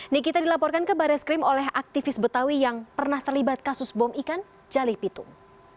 nikita dilaporkan ke baris krim oleh aktivis betawi yang pernah terlibat kasus bom ikan jalih pitung